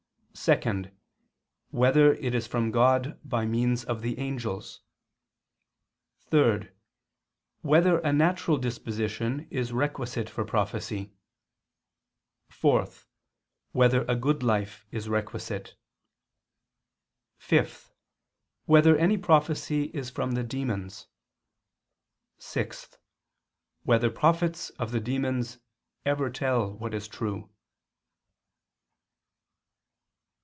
(2) Whether it is from God by means of the angels? (3) Whether a natural disposition is requisite for prophecy? (4) Whether a good life is requisite? (5) Whether any prophecy is from the demons? (6) Whether prophets of the demons ever tell what is true?